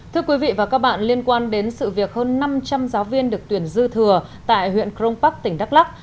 thưa quý vị và các bạn liên quan đến sự việc hơn năm trăm linh giáo viên được tuyển dư thừa tại huyện crong park tỉnh đắk lắc